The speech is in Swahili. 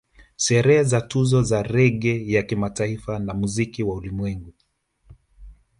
Sherehe za Tuzo za Reggae ya Kimataifa na Muziki wa ulimwengu